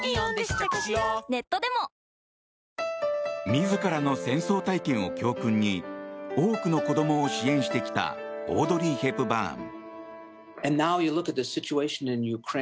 自らの戦争体験を教訓に多くの子供を支援してきたオードリー・ヘプバーン。